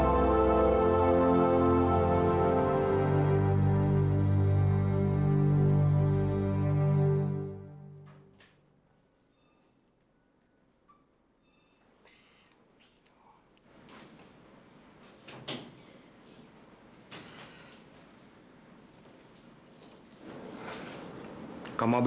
saya seteran kalau primary ela baut dia